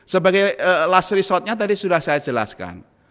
sebagai last resortnya tadi sudah saya jelaskan